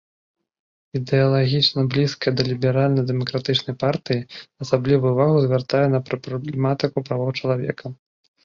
Ідэалагічна блізкая да ліберальна-дэмакратычнай партыі, асаблівую ўвагу звяртае на праблематыку правоў чалавека.